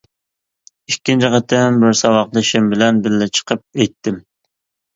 ئىككىنچى قېتىم بىر ساۋاقدىشىم بىلەن بىللە چىقىپ ئېيتتىم.